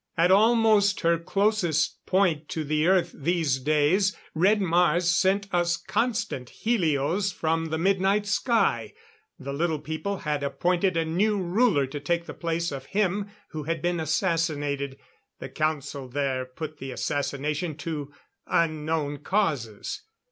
At almost her closest point to the Earth these days, Red Mars sent us constant helios from the midnight sky. The Little People had appointed a new ruler to take the place of him who had been assassinated. The Council there put the assassination to unknown causes.